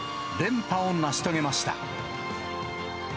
連覇を成し遂げました。